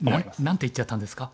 何て言っちゃったんですか？